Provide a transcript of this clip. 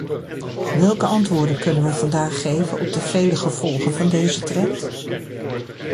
Welke antwoorden kunnen we vandaag geven op de vele gevolgen van deze trend?